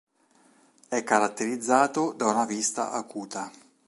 È caratterizzato da una vista acuta.